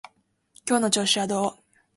今日の調子はどう？